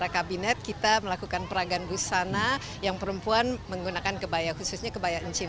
di kabinet kita melakukan peragaan busana yang perempuan menggunakan kebaya khususnya kebaya encim